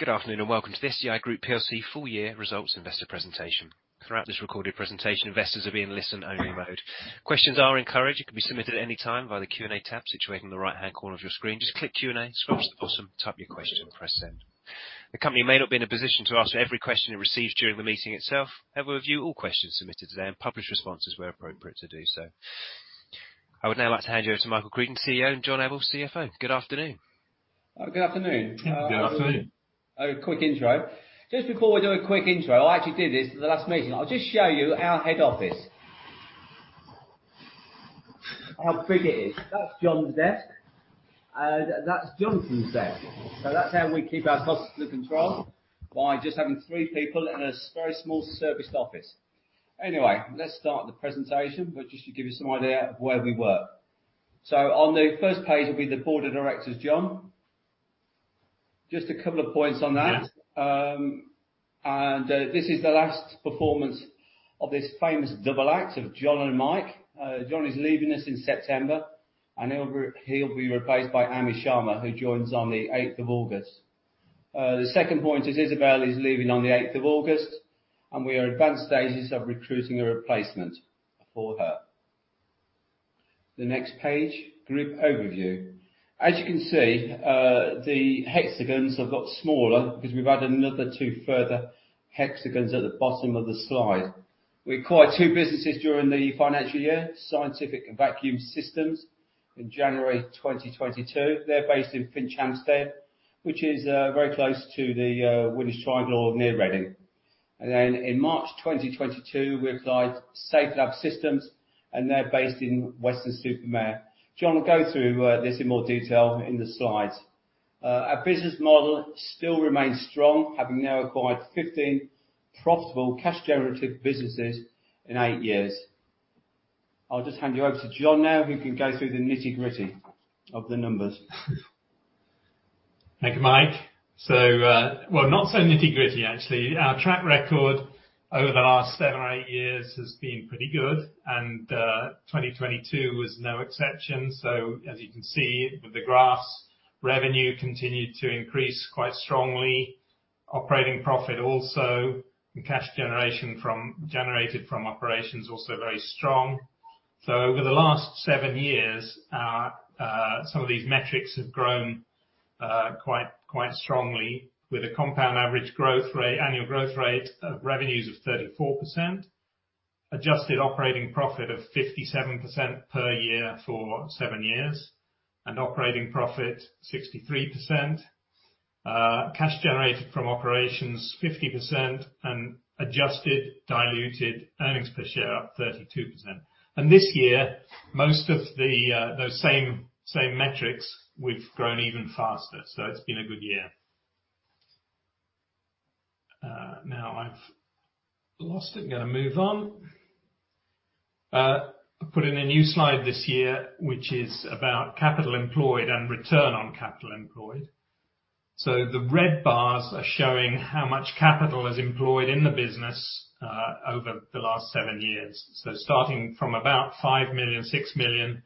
Good afternoon, and welcome to this SDI Group plc full year results investor presentation. Throughout this recorded presentation, investors are in listen-only mode. Questions are encouraged. They can be submitted any time via the Q&A tab situated in the right-hand corner of your screen. Just click Q&A, scroll to the bottom, type your question, press send. The company may not be in a position to answer every question it receives during the meeting itself. However, we review all questions submitted today and publish responses where appropriate to do so. I would now like to hand you over to Michael Creedon, CEO, and Jon Abell, CFO. Good afternoon. Good afternoon. Good afternoon. A quick intro. Just before we do a quick intro, I actually did this at the last meeting. I'll just show you our head office. How big it is. That's Jon's desk, and that's Jonathan's desk. That's how we keep our costs under control by just having three people in a very small serviced office. Anyway, let's start the presentation, but just to give you some idea of where we work. On the first page will be the board of directors, Jon. Just a couple of points on that. This is the last performance of this famous double act of Jon and Mike. Jon is leaving us in September, and he'll be replaced by Ami Sharma, who joins on the eighth of August. The second point is Isabel is leaving on the eighth of August, and we are advanced stages of recruiting a replacement for her. The next page, group overview. As you can see, the hexagons have got smaller because we've added another two further hexagons at the bottom of the slide. We acquired two businesses during the financial year, Scientific Vacuum Systems in January 2022. They're based in Finchampstead, which is very close to the Winnersh Triangle near Reading. Then in March 2022, we acquired Safelab Systems, and they're based in Weston-Super-Mare. Jon will go through this in more detail in the slides. Our business model still remains strong, having now acquired 15 profitable cash generative businesses in eight years. I'll just hand you over to Jon now, who can go through the nitty-gritty of the numbers. Thank you, Mike. Well, not so nitty-gritty, actually. Our track record over the last seven or eight years has been pretty good, and 2022 was no exception. As you can see with the graphs, revenue continued to increase quite strongly. Operating profit also, and cash generated from operations, also very strong. Over the last seven years, some of these metrics have grown quite strongly with a compound average growth rate, annual growth rate of revenues of 34%, adjusted operating profit of 57% per year for seven years, and operating profit 63%, cash generated from operations 50% and adjusted diluted earnings per share up 32%. This year, most of those same metrics, we've grown even faster. It's been a good year. Now I've lost it. Gonna move on. I put in a new slide this year, which is about capital employed and return on capital employed. The red bars are showing how much capital is employed in the business over the last seven years. Starting from about 5 million, 6 million,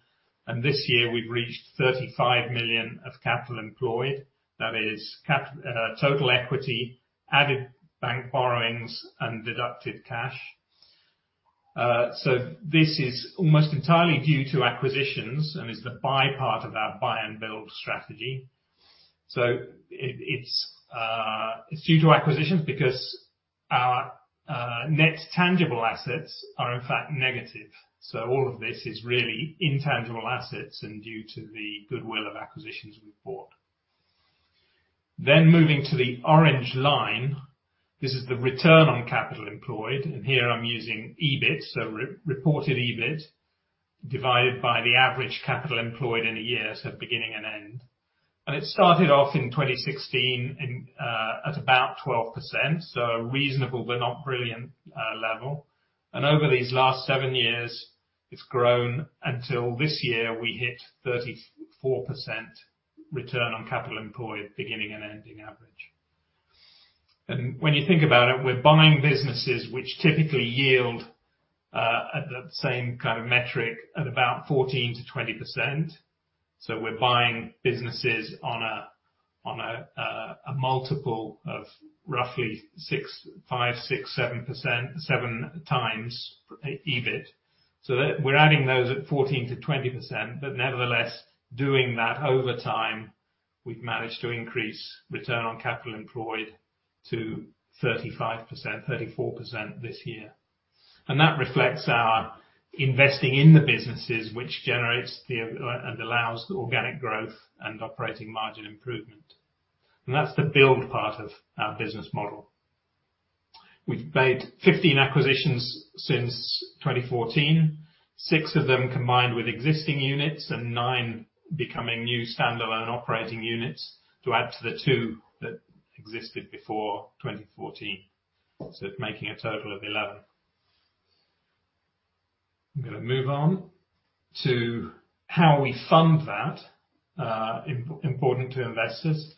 and this year we've reached 35 million of capital employed. That is total equity, added bank borrowings and deducted cash. This is almost entirely due to acquisitions and is the buy part of our buy and build strategy. It's due to acquisitions because our net tangible assets are in fact negative. All of this is really intangible assets and due to the goodwill of acquisitions we've bought. Moving to the orange line, this is the return on capital employed, and here I'm using EBIT, so re-reported EBIT, divided by the average capital employed in a year, so beginning and end. It started off in 2016 at about 12%, so a reasonable but not brilliant level. Over these last seven years, it's grown until this year we hit 34% return on capital employed, beginning and ending average. When you think about it, we're buying businesses which typically yield at that same kind of metric at about 14%-20%. We're buying businesses on a multiple of roughly 6.5x-6.7x EBIT. That we're adding those at 14%-20%, but nevertheless, doing that over time, we've managed to increase return on capital employed to 35%, 34% this year. That reflects our investing in the businesses, which generates the, and allows the organic growth and operating margin improvement. That's the build part of our business model. We've made 15 acquisitions since 2014, six of them combined with existing units and nine becoming new standalone operating units to add to the two that existed before 2014, so making a total of 11. I'm gonna move on to how we fund that, important to investors.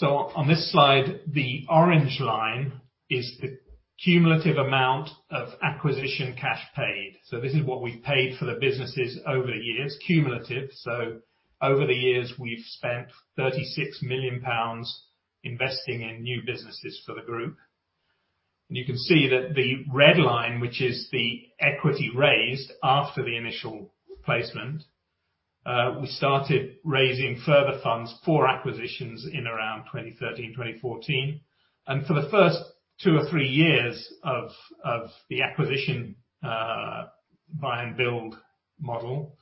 On this slide, the orange line is the cumulative amount of acquisition cash paid. This is what we've paid for the businesses over the years, cumulative. Over the years, we've spent 36 million pounds investing in new businesses for the group. You can see that the red line, which is the equity raised after the initial placement, we started raising further funds for acquisitions in around 2013, 2014. For the first two or three years of the acquisition buy and build model,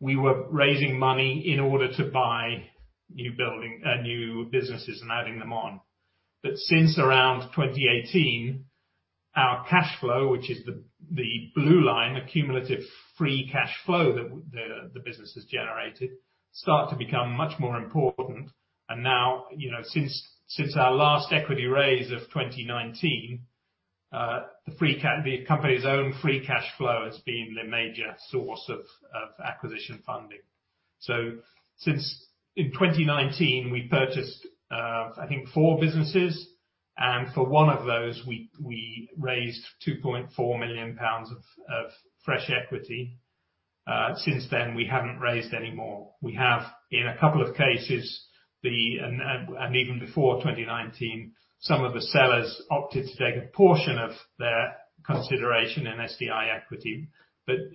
we were raising money in order to buy new businesses and adding them on. Since around 2018, our cash flow, which is the blue line, the cumulative free cash flow that the business has generated, start to become much more important. Now, you know, since our last equity raise of 2019, the company's own free cash flow has been the major source of acquisition funding. Since in 2019, we purchased, I think four businesses, and for one of those, we raised 2.4 million pounds of fresh equity. Since then, we haven't raised any more. We have in a couple of cases and even before 2019, some of the sellers opted to take a portion of their consideration in SDI equity.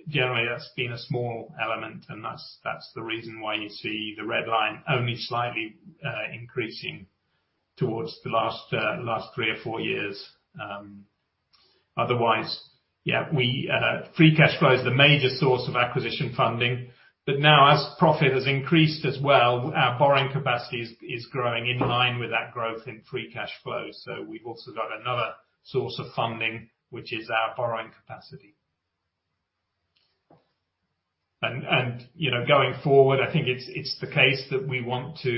Generally, that's been a small element, and that's the reason why you see the red line only slightly increasing towards the last three or four years. Otherwise, free cash flow is the major source of acquisition funding. Now as profit has increased as well, our borrowing capacity is growing in line with that growth in free cash flow. We've also got another source of funding, which is our borrowing capacity. Going forward, I think it's the case that we want to,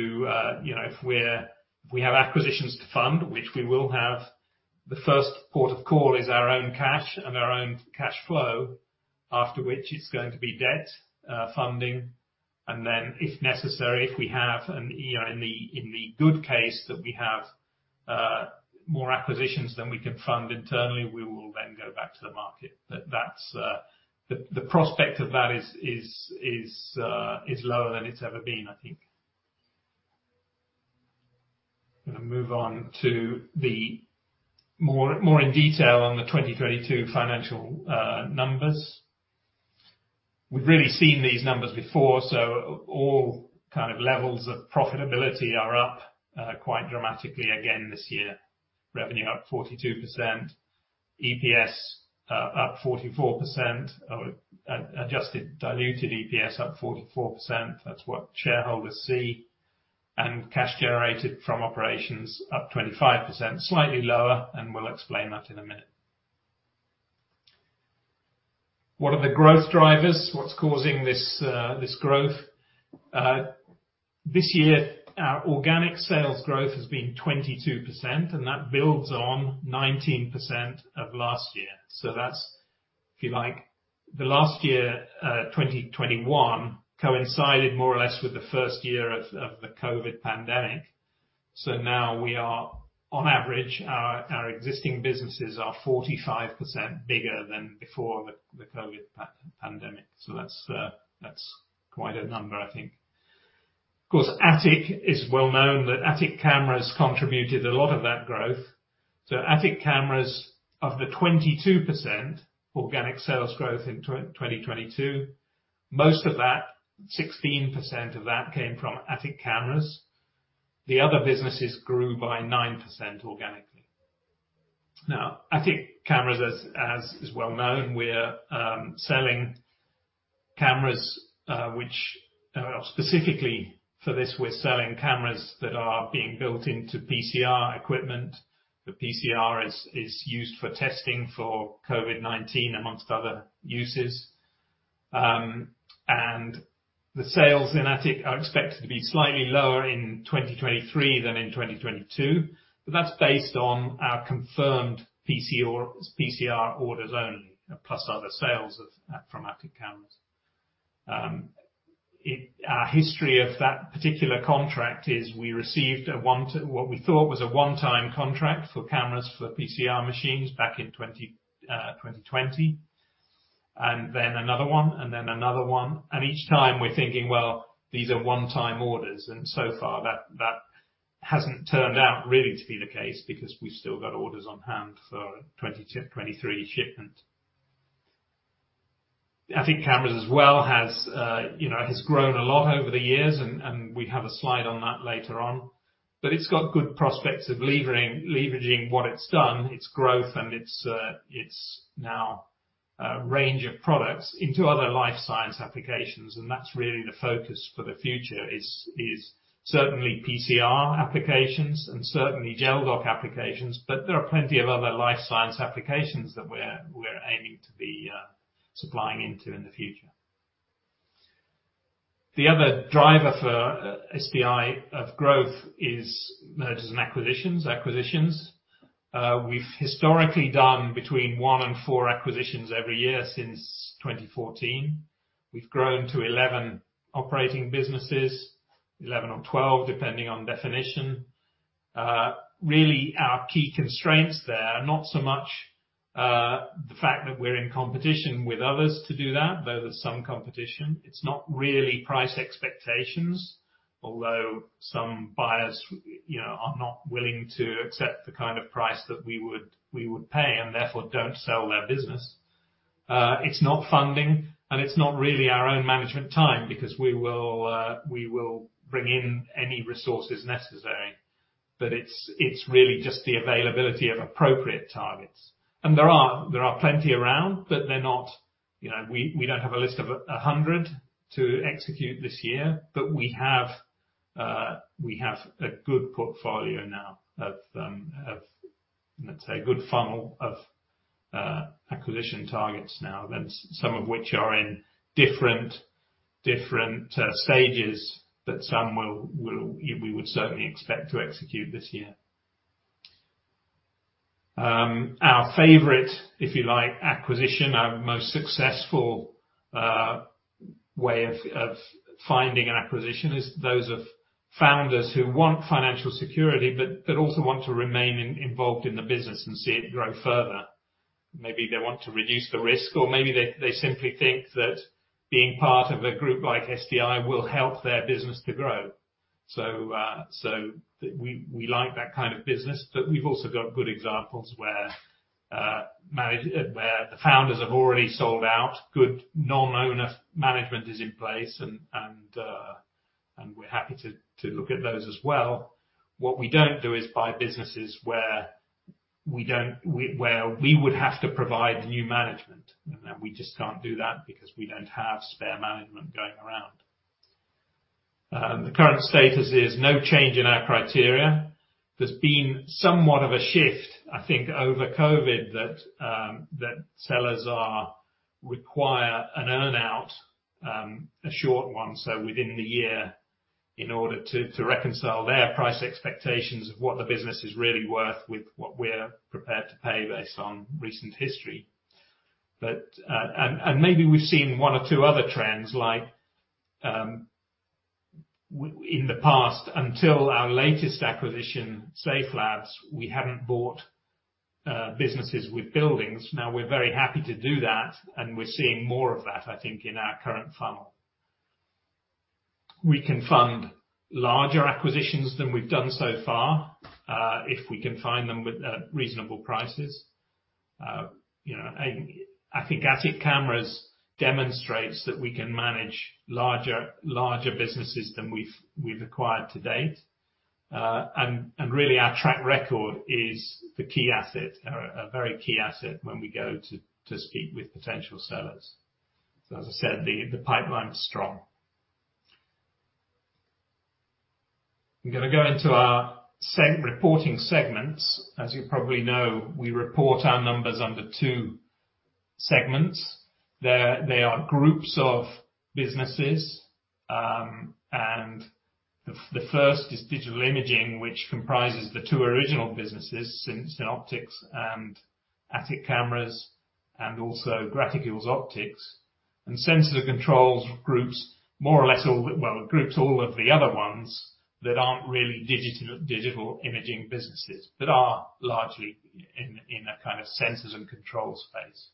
you know, if we have acquisitions to fund, which we will have, the first port of call is our own cash and our own cash flow. After which it's going to be debt funding, and then if necessary, you know, in the good case that we have more acquisitions than we can fund internally, we will then go back to the market. But that's the prospect of that is lower than it's ever been, I think. Gonna move on to the more in detail on the 2022 financial numbers. We've really seen these numbers before, so all kind of levels of profitability are up quite dramatically again this year. Revenue up 42%, EPS up 44%. Or adjusted diluted EPS up 44%. That's what shareholders see. Cash generated from operations up 25%, slightly lower, and we'll explain that in a minute. What are the growth drivers? What's causing this growth? This year, our organic sales growth has been 22%, and that builds on 19% of last year. That's if you like, the last year, 2021 coincided more or less with the first year of the COVID-19 pandemic. Now we are on average, our existing businesses are 45% bigger than before the COVID-19 pandemic. That's quite a number, I think. Of course, Atik is well known that Atik Cameras contributed a lot of that growth. Atik Cameras of the 22% organic sales growth in 2022, most of that, 16% of that came from Atik Cameras. The other businesses grew by 9% organically. Now, Atik Cameras, as is well known, we're selling cameras, which specifically for this, we're selling cameras that are being built into PCR equipment. The PCR is used for testing for COVID-19, among other uses. The sales in Atik are expected to be slightly lower in 2023 than in 2022, but that's based on our confirmed PCR orders only, plus other sales of from Atik Cameras. Our history of that particular contract is we received a what we thought was a one-time contract for cameras for PCR machines back in 2020, and then another one, and then another one. Each time we're thinking, "Well, these are one-time orders." So far, that hasn't turned out really to be the case, because we've still got orders on hand for 23 shipment. Atik Cameras as well has grown a lot over the years and we have a slide on that later on. It's got good prospects of leveraging what it's done, its growth and its now range of products into other life science applications, and that's really the focus for the future is certainly PCR applications and certainly Gel Doc applications. There are plenty of other life science applications that we're aiming to be supplying into in the future. The other driver for SDI of growth is mergers and acquisitions. We've historically done between 1 and 4 acquisitions every year since 2014. We've grown to 11 operating businesses. 11 or 12, depending on definition. Really our key constraints there are not so much the fact that we're in competition with others to do that, though there's some competition. It's not really price expectations, although some buyers, you know, are not willing to accept the kind of price that we would pay, and therefore don't sell their business. It's not funding, and it's not really our own management time, because we will bring in any resources necessary. It's really just the availability of appropriate targets. There are plenty around, but they're not, you know, we don't have a list of 100 to execute this year, but we have a good portfolio now of, let's say, a good funnel of acquisition targets now that some of which are in different stages, but some we would certainly expect to execute this year. Our favorite, if you like, acquisition, our most successful way of finding an acquisition is those of founders who want financial security, but also want to remain involved in the business and see it grow further. Maybe they want to reduce the risk, or maybe they simply think that being part of a group like SDI will help their business to grow. We like that kind of business, but we've also got good examples where the founders have already sold out, good non-owner management is in place and we're happy to look at those as well. What we don't do is buy businesses where we would have to provide new management, and we just can't do that, because we don't have spare management going around. The current status is no change in our criteria. There's been somewhat of a shift, I think, over COVID that sellers are requiring an earn-out, a short one, so within the year, in order to reconcile their price expectations of what the business is really worth with what we're prepared to pay based on recent history. Maybe we've seen one or two other trends, like, in the past, until our latest acquisition, Safelab, we hadn't bought businesses with buildings. Now, we're very happy to do that, and we're seeing more of that, I think, in our current funnel. We can fund larger acquisitions than we've done so far, if we can find them with reasonable prices. You know, I think Atik Cameras demonstrates that we can manage larger businesses than we've acquired to date. Really our track record is the key asset, or a very key asset when we go to speak with potential sellers. As I said, the pipeline is strong. I'm gonna go into our reporting segments. As you probably know, we report our numbers under two segments. They are groups of businesses, and the first is digital imaging, which comprises the two original businesses, Synoptics and Atik Cameras, and also Graticules Optics. Sensors and Controls groups more or less all the, well, it groups all of the other ones that aren't really digital imaging businesses, but are largely in a kind of sensors and controls space.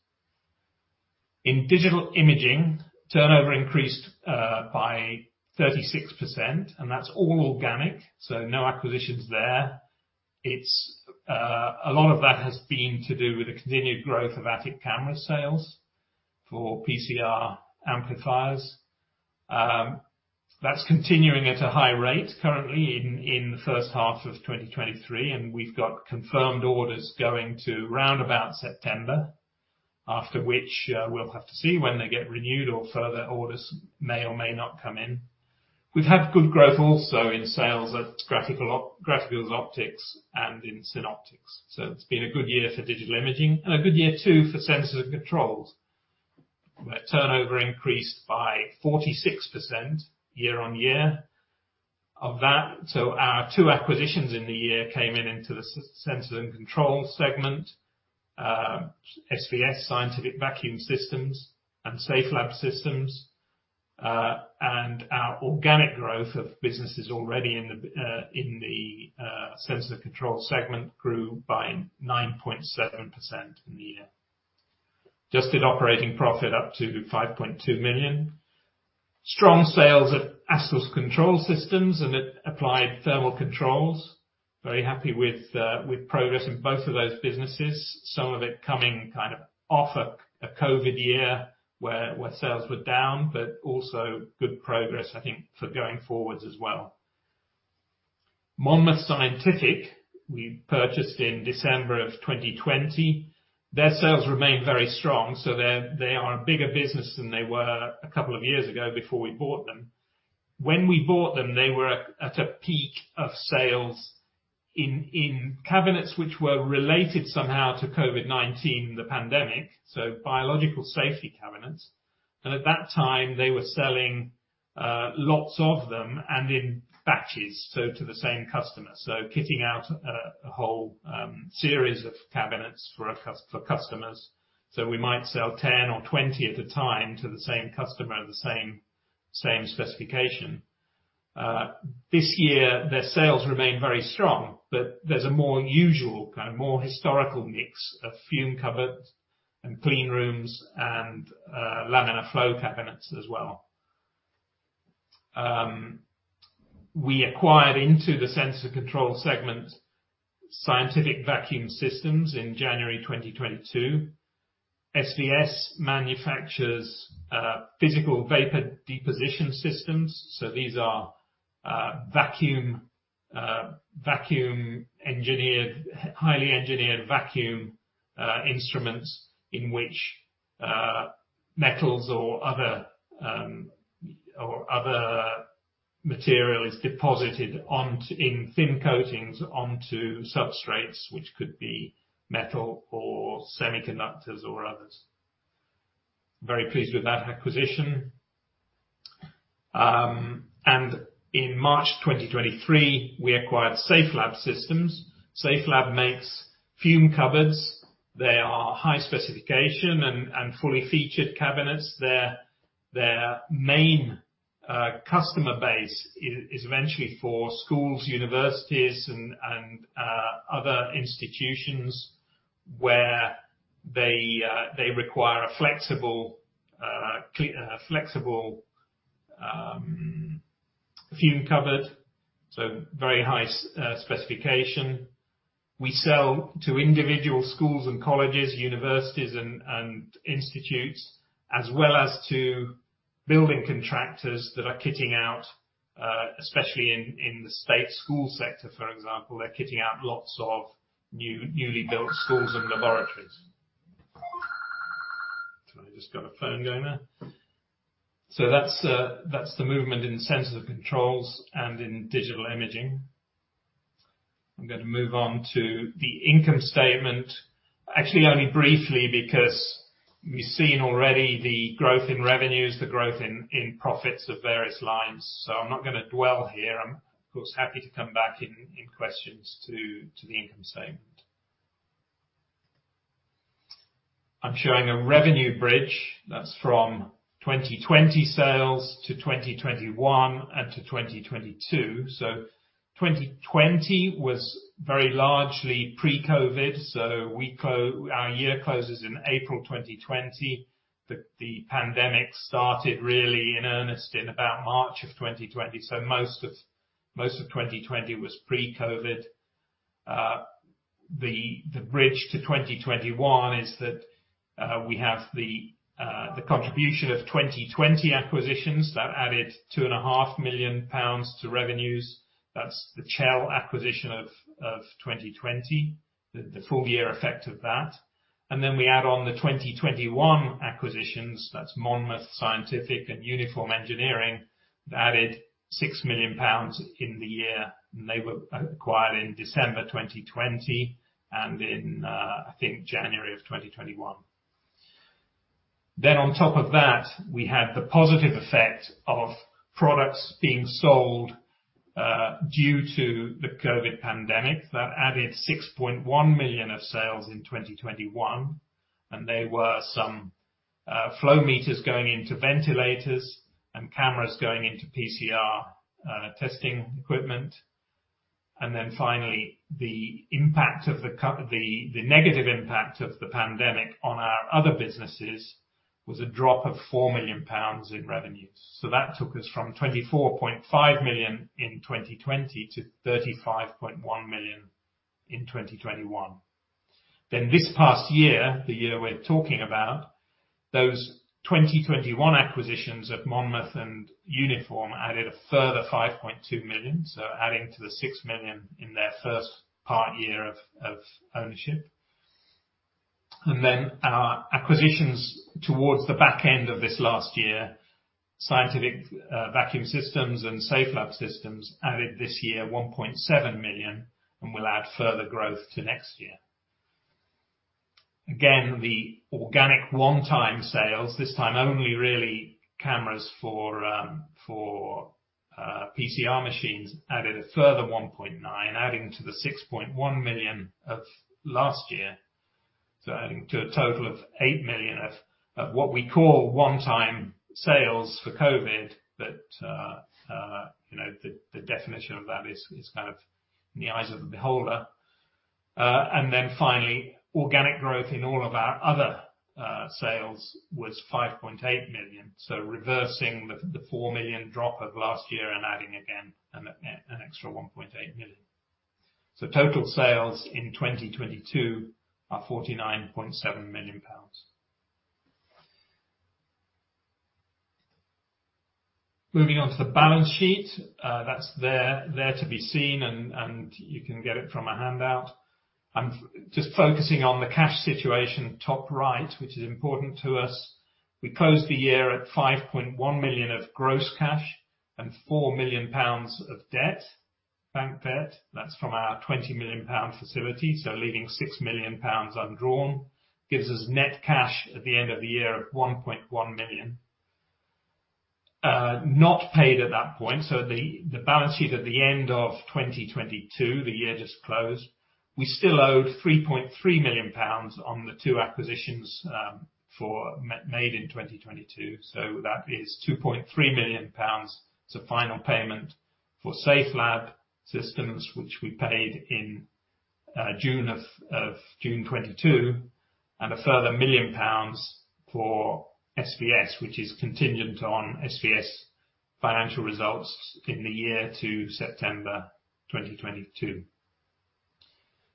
In digital imaging, turnover increased by 36%, and that's all organic, so no acquisitions there. It's a lot of that has been to do with the continued growth of Atik Camera sales for PCR amplifiers. That's continuing at a high rate currently in the first half of 2023, and we've got confirmed orders going to round about September, after which we'll have to see when they get renewed or further orders may or may not come in. We've had good growth also in sales at Graticules Optics and in Synoptics. It's been a good year for digital imaging and a good year, too, for Sensors and Controls, where turnover increased by 46% year-on-year. Of that, our two acquisitions in the year came into the Sensors and Controls segment, SVS, Scientific Vacuum Systems and Safelab Systems, and our organic growth of businesses already in the Sensors and Controls segment grew by 9.7% in the year. Adjusted operating profit up to 5.2 million. Strong sales at Astles Control Systems and at Applied Thermal Control. Very happy with progress in both of those businesses, some of it coming kind of off a COVID year where sales were down, but also good progress, I think, for going forward as well. Monmouth Scientific, we purchased in December of 2020. Their sales remain very strong, so they are a bigger business than they were a couple of years ago before we bought them. When we bought them, they were at a peak of sales in cabinets which were related somehow to COVID-19, the pandemic, so biological safety cabinets. At that time, they were selling lots of them and in batches, so to the same customer. So kitting out a whole series of cabinets for customers. So we might sell 10 or 20 at a time to the same customer, the same specification. This year, their sales remain very strong, but there's a more usual, kind of more historical mix of fume cupboard and clean rooms and laminar flow cabinets as well. We acquired into the sensor control segment, Scientific Vacuum Systems in January 2022. SVS manufactures physical vapor deposition systems. So these are highly engineered vacuum instruments in which metals or other material is deposited in thin coatings onto substrates, which could be metal or semiconductors or others. Very pleased with that acquisition. In March 2023, we acquired Safelab Systems. Safelab makes fume cupboards. They are high specification and fully featured cabinets. Their main customer base is eventually for schools, universities and other institutions where they require a flexible fume cupboard, so very high specification. We sell to individual schools and colleges, universities, and institutes, as well as to building contractors that are kitting out especially in the state school sector, for example, they're kitting out lots of new, newly built schools and laboratories. Sorry, I just got a phone going there. That's the movement in sensor controls and in digital imaging. I'm gonna move on to the income statement, actually only briefly, because we've seen already the growth in revenues, the growth in profits of various lines, so I'm not gonna dwell here. I'm of course happy to come back in questions to the income statement. I'm showing a revenue bridge that's from 2020 sales to 2021 and to 2022. 2020 was very largely pre-COVID. Our year closes in April 2020. The pandemic started really in earnest in about March 2020. Most of 2020 was pre-COVID. The bridge to 2021 is that we have the contribution of 2020 acquisitions. That added 2.5 million pounds to revenues. That's the Chell acquisition of 2020, the full year effect of that. We add on the 2021 acquisitions. That's Monmouth Scientific and Uniform Engineering. That added 6 million pounds in the year, and they were acquired in December 2020 and in, I think, January 2021. On top of that, we had the positive effect of products being sold due to the COVID pandemic. That added 6.1 million of sales in 2021, and they were some flow meters going into ventilators and cameras going into PCR testing equipment. The negative impact of the pandemic on our other businesses was a drop of 4 million pounds in revenues. That took us from 24.5 million in 2020 to 35.1 million in 2021. This past year, the year we're talking about, those 2021 acquisitions of Monmouth and Uniform added a further 5.2 million, so adding to the 6 million in their first part year of ownership. Our acquisitions towards the back end of this last year, Scientific Vacuum Systems and Safelab Systems added this year 1.7 million and will add further growth to next year. The organic one-time sales, this time only really cameras for PCR machines, added a further 1.9 million, adding to the 6.1 million of last year. Adding to a total of 8 million of what we call one-time sales for COVID, but you know, the definition of that is kind of in the eyes of the beholder. Finally, organic growth in all of our other sales was 5.8 million. Reversing theGBP 4 million drop of last year and adding again an extra 1.8 million. Total sales in 2022 are 49.7 million pounds. Moving on to the balance sheet, that's there to be seen and you can get it from a handout. I'm just focusing on the cash situation, top right, which is important to us. We closed the year at 5.1 million of gross cash and 4 million pounds of debt, bank debt. That's from our 20 million pound facility, so leaving 6 million pounds undrawn gives us net cash at the end of the year of 1.1 million. Not paid at that point, so the balance sheet at the end of 2022, the year just closed, we still owed 3.3 million pounds on the two acquisitions, for M&A made in 2022. That is 2.3 million pounds to final payment for Safelab Systems which we paid in June 2022, and a further 1 million pounds for SVS, which is contingent on SVS financial results in the year to September 2022.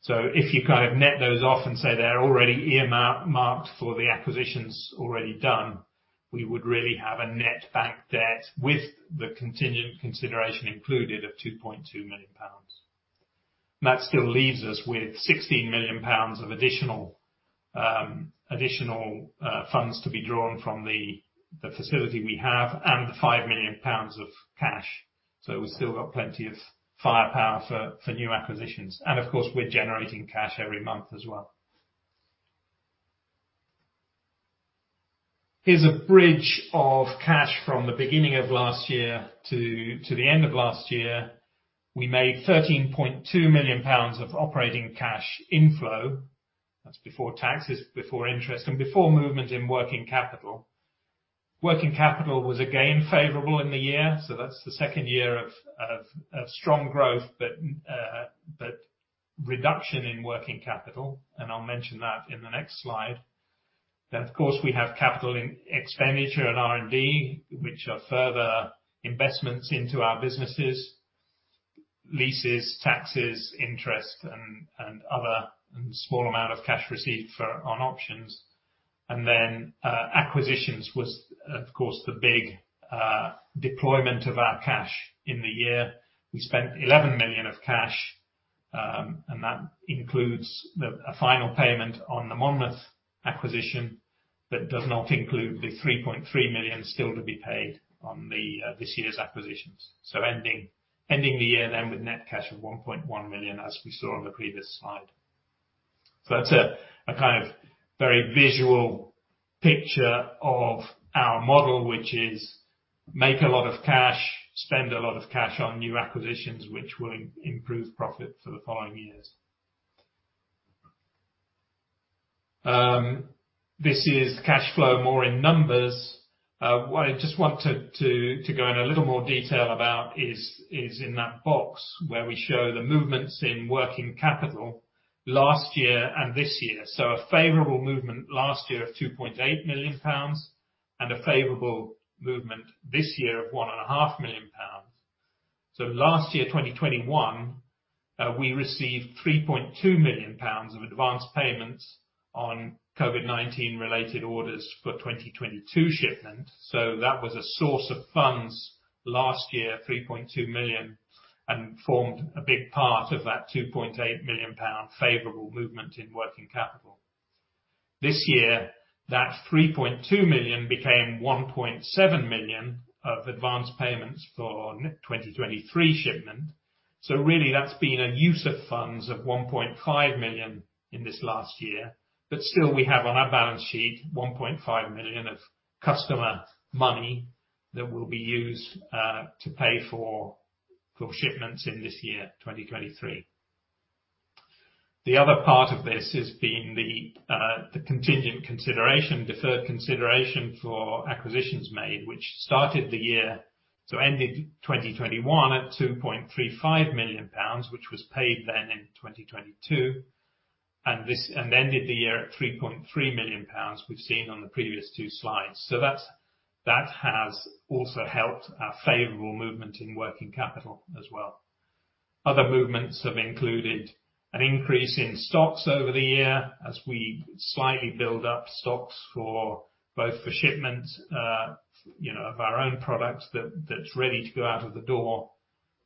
If you kind of net those off and say they're already earmarked for the acquisitions already done, we would really have a net bank debt with the contingent consideration included of 2.2 million pounds. That still leaves us with 16 million pounds of additional funds to be drawn from the facility we have and the 5 million pounds of cash. We've still got plenty of firepower for new acquisitions. Of course, we're generating cash every month as well. Here's a bridge of cash from the beginning of last year to the end of last year. We made 13.2 million pounds of operating cash inflow. That's before taxes, before interest, and before movement in working capital. Working capital was again favorable in the year, so that's the second year of strong growth, but reduction in working capital, and I'll mention that in the next slide. Of course, we have capital and expenditure and R&D, which are further investments into our businesses, leases, taxes, interest and other, and small amount of cash received on options. Acquisitions was, of course, the big deployment of our cash in the year. We spent 11 million of cash, and that includes a final payment on the Monmouth acquisition that does not include the 3.3 million still to be paid on this year's acquisitions. Ending the year then with net cash of 1.1 million, as we saw on the previous slide. That's a kind of very visual picture of our model, which is make a lot of cash, spend a lot of cash on new acquisitions, which will improve profit for the following years. This is cash flow more in numbers. What I just want to go in a little more detail about is in that box where we show the movements in working capital last year and this year. A favorable movement last year of 2.8 million pounds and a favorable movement this year of 1.5 million pounds. Last year, 2021, we received 3.2 million pounds of advanced payments on COVID-19 related orders for 2022 shipment. That was a source of funds last year, 3.2 million, and formed a big part of that 2.8 million pound favorable movement in working capital. This year, that 3.2 million became 1.7 million of advanced payments for 2023 shipment. Really that's been a use of funds of 1.5 million in this last year. Still we have on our balance sheet 1.5 million of customer money that will be used to pay for shipments in this year, 2023. The other part of this has been the contingent consideration, deferred consideration for acquisitions made, which started the year, ended 2021 at 2.35 million pounds, which was paid then in 2022. This ended the year at 3.3 million pounds we've seen on the previous two slides. That has also helped our favorable movement in working capital as well. Other movements have included an increase in stocks over the year as we slightly build up stocks for both the shipments, you know, of our own products that's ready to go out of the door,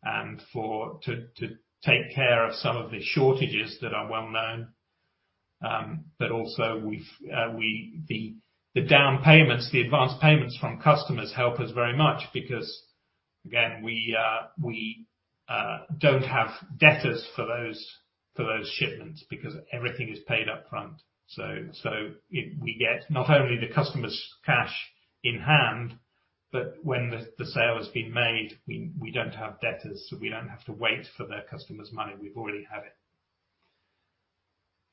and to take care of some of the shortages that are well-known. Also the down payments, the advanced payments from customers help us very much because again, we don't have debtors for those shipments because everything is paid up front. We get not only the customer's cash in hand, but when the sale has been made, we don't have debtors, so we don't have to wait for the customer's money. We've already had it.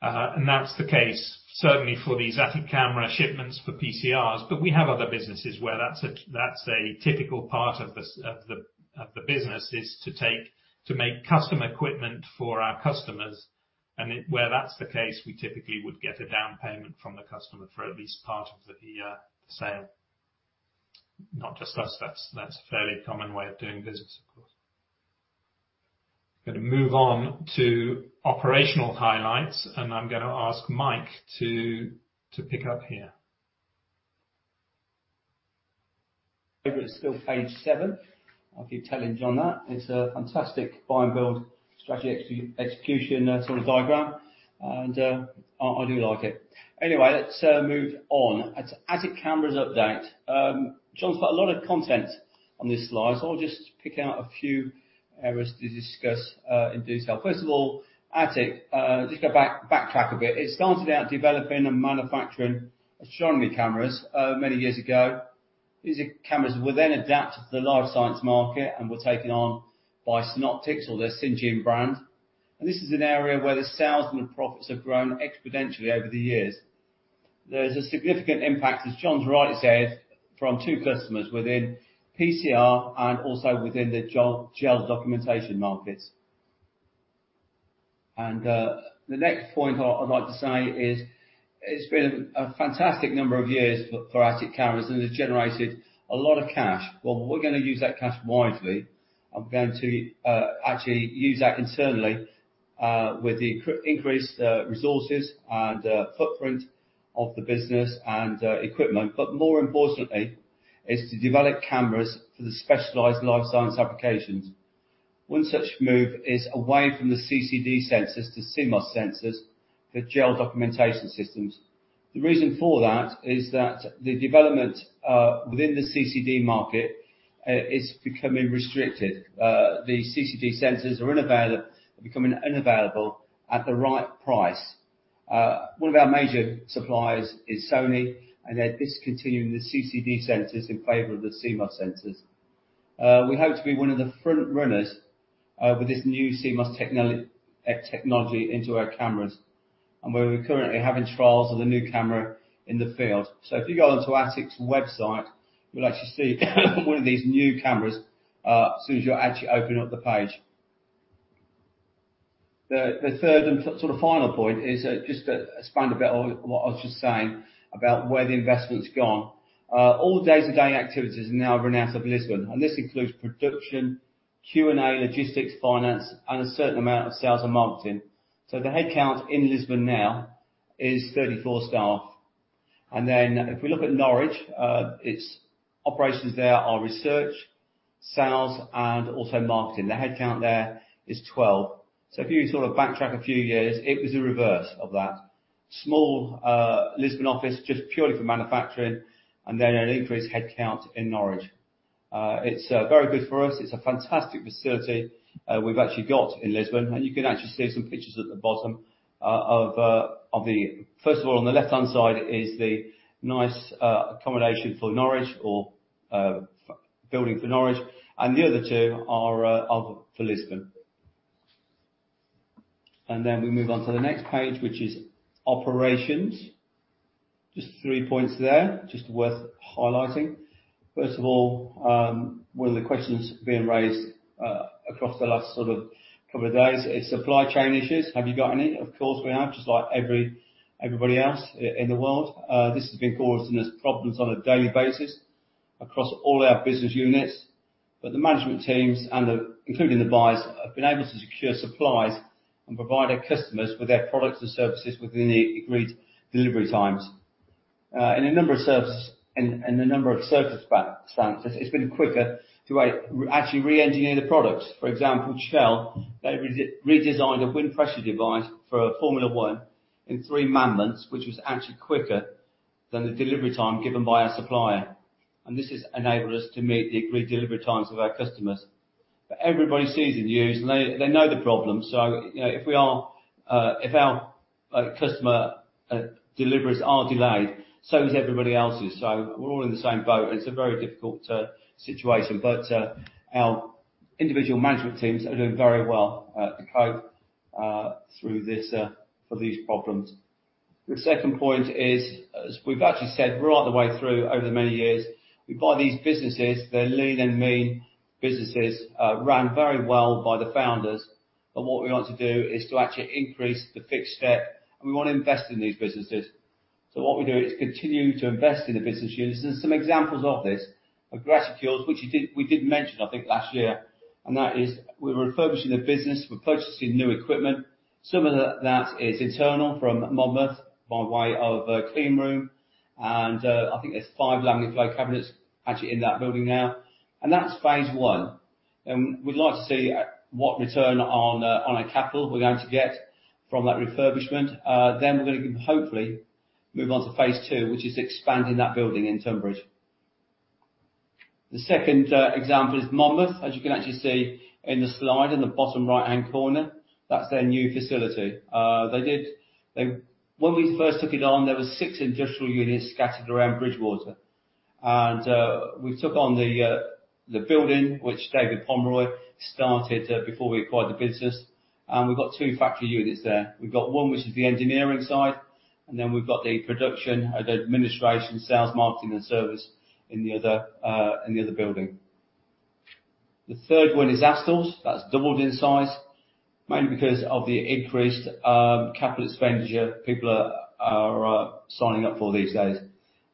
That's the case certainly for these Atik Camera shipments for PCRs. We have other businesses where that's a typical part of the business is to make custom equipment for our customers. Where that's the case, we typically would get a down payment from the customer for at least part of the sale. Not just us, that's a fairly common way of doing business, of course. Gonna move on to operational highlights, and I'm gonna ask Mike to pick up here. It's still page seven. I'll keep telling Jon that. It's a fantastic buy and build strategy execution, sort of diagram. I do like it. Anyway, let's move on. Atik Cameras update, Jon's got a lot of content on this slide. I'll just pick out a few areas to discuss in detail. First of all, Atik, just go backtrack a bit. It started out developing and manufacturing astronomy cameras many years ago. These cameras were then adapted to the life science market and were taken on by Synoptics or their Syngene brand. This is an area where the sales and profits have grown exponentially over the years. There's a significant impact, as Jon's rightly said, from two customers within PCR and also within the gel documentation markets. The next point I'd like to say is it's been a fantastic number of years for Atik Cameras, and they've generated a lot of cash. Well, we're gonna use that cash wisely. I'm going to actually use that internally with the increased resources and footprint of the business and equipment. More importantly is to develop cameras for the specialized life science applications. One such move is away from the CCD sensors to CMOS sensors for gel documentation systems. The reason for that is that the development within the CCD market is becoming restricted. The CCD sensors are becoming unavailable at the right price. One of our major suppliers is Sony, and they're discontinuing the CCD sensors in favor of the CMOS sensors. We hope to be one of the front runners with this new CMOS technology into our cameras and where we're currently having trials of the new camera in the field. If you go onto Atik's website, you'll actually see one of these new cameras as soon as you actually open up the page. The third and sort of final point is just to expand a bit on what I was just saying about where the investment's gone. All the day-to-day activities now run out of Lisbon, and this includes production, Q&A, logistics, finance, and a certain amount of sales and marketing. The headcount in Lisbon now is 34 staff. Then if we look at Norwich, its operations there are research, sales, and also marketing. The headcount there is 12. If you sort of backtrack a few years, it was the reverse of that. Small Lisbon office just purely for manufacturing, and then an increased headcount in Norwich. It's very good for us. It's a fantastic facility, we've actually got in Lisbon, and you can actually see some pictures at the bottom of the. First of all, on the left-hand side is the nice accommodation for Norwich or building for Norwich, and the other two are for Lisbon. Then we move on to the next page, which is operations. Just three points there, just worth highlighting. First of all, one of the questions being raised across the last sort of couple of days is supply chain issues. Have you got any? Of course, we have, just like everybody else in the world. This has been causing us problems on a daily basis across all our business units. The management teams including the buyers have been able to secure supplies and provide our customers with their products and services within the agreed delivery times. In a number of circumstances, it's been quicker to actually re-engineer the products. For example, Chell, they redesigned a wind pressure device for a Formula One in three man-months, which was actually quicker than the delivery time given by our supplier. This has enabled us to meet the agreed delivery times with our customers. Everybody sees and hears, and they know the problem. You know, if our customer deliveries are delayed, so is everybody else's. We're all in the same boat, and it's a very difficult situation. Our individual management teams are doing very well to cope through this for these problems. The second point is, as we've actually said right the way through over the many years, we buy these businesses, they're lean and mean businesses, run very well by the founders. What we want to do is to actually increase the fixed cost base, and we wanna invest in these businesses. What we do is continue to invest in the business units. Some examples of this are Graticules, which we did mention, I think, last year. That is we're refurbishing the business. We're purchasing new equipment. Some of that is internal from Monmouth by way of a clean room. I think there's five laminar flow cabinets actually in that building now. That's phase one. We'd like to see what return on our capital we're going to get from that refurbishment. We're gonna hopefully move on to phase two, which is expanding that building in Tonbridge. The second example is Monmouth. As you can actually see in the slide in the bottom right-hand corner, that's their new facility. When we first took it on, there were 6 industrial units scattered around Bridgwater. We took on the building which David Pomeroy started before we acquired the business. We've got two factory units there. We've got one which is the engineering side, and then we've got the production and administration, sales, marketing, and service in the other building. The third one is Astles. That's doubled in size, mainly because of the increased capital expenditure people are signing up for these days.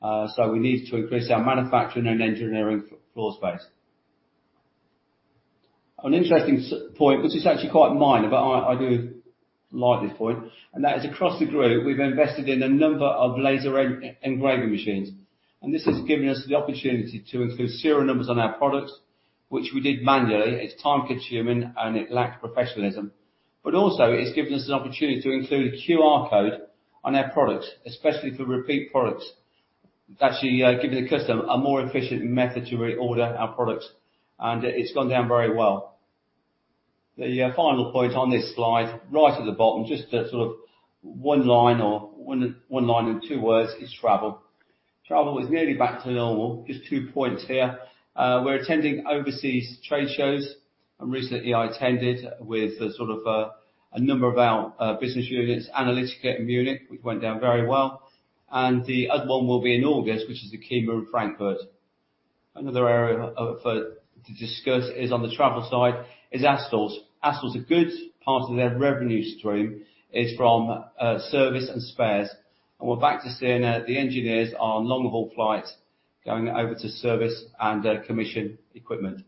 So we needed to increase our manufacturing and engineering floor space. An interesting point, which is actually quite minor, but I do like this point, and that is across the group, we've invested in a number of laser engraving machines, and this has given us the opportunity to include serial numbers on our products, which we did manually. It's time-consuming, and it lacked professionalism. But also it's given us an opportunity to include a QR code on our products, especially for repeat products. It's actually giving the customer a more efficient method to reorder our products, and it's gone down very well. The final point on this slide, right at the bottom, just a sort of one line and two words is travel. Travel is nearly back to normal. Just two points here. We're attending overseas trade shows, and recently I attended with sort of a number of our business units, analytica in Munich, which went down very well, and the other one will be in August, which is the ACHEMA in Frankfurt. Another area to discuss is on the travel side, Astles. Astles, a good part of their revenue stream is from service and spares, and we're back to seeing the engineers on long-haul flights going over to service and commission equipment.